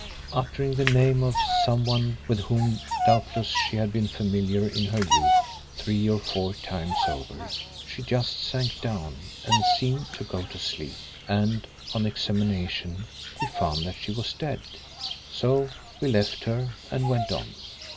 Uttering the name of someone with whom, doubtless, she had been familiar in her youth, three or four times over, she just sank down and seemed to go to sleep and on examination we found that she was dead. So we left her and went on.